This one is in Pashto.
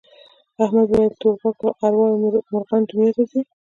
احمد وویل تور غوږو ارواوې مرغانو دنیا ته ځي.